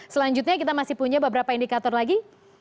selanjutnya kita masih punya beberapa indikator lagi